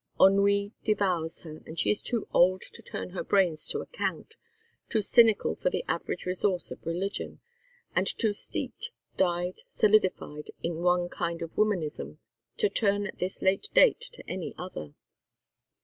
Ennui devours her, and she is too old to turn her brains to account, too cynical for the average resource of religion, and too steeped, dyed, solidified, in one kind of womanism to turn at this late date to any other.